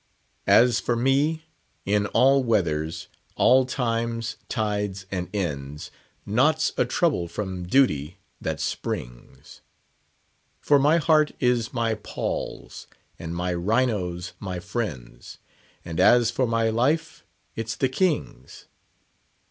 "As for me, in all weathers, all times, tides, and ends, Naught's a trouble from duty that springs; For my heart is my Poll's, and my rhino's my friends, And as for my life, it's the king's.